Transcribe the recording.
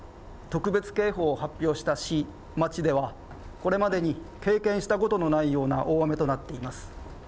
特別警報を発表した市、町ではこれまでに経験したことのないような大雨となっています。